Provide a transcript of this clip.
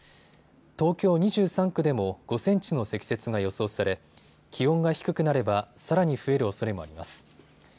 東京２３区でも５センチの積雪が予想され気温が低くなればさらに増えるおそれもあります。